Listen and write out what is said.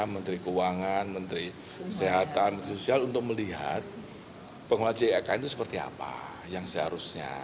menteri keuangan menteri kesehatan sosial untuk melihat penguasa ikn itu seperti apa yang seharusnya